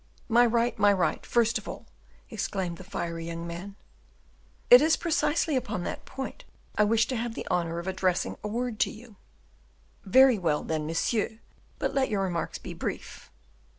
"My right, my right, first of all," exclaimed the fiery young man. "It is precisely upon that point I wish to have the honor of addressing a word to you." "Very well, monsieur, but let your remarks be brief."